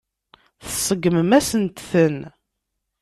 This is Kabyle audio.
Tseggmem-asent-ten.